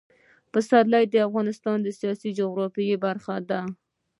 پسرلی د افغانستان د سیاسي جغرافیه برخه ده.